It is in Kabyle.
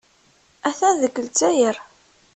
Atan deg Lezzayer.